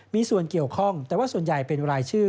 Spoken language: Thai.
มีส่วนเกี่ยวข้องแต่ว่าส่วนใหญ่เป็นรายชื่อ